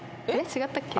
違ったっけ